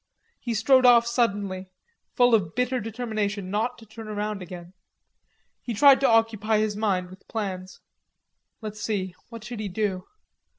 He strode off suddenly, full of bitter determination not to turn round again. He tried to occupy his mind with plans. Let's see, what should he do?